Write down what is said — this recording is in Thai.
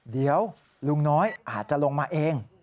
เดี๋ยวลุงน้อยอาจจะลงมาเอง